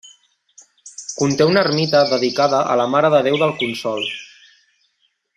Conté una ermita dedicada a la Mare de Déu del Consol.